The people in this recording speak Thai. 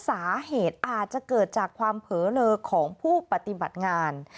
สาเหตุอาจจะเกิดจากความเผลอเลอของผู้ปฏิบัติงาน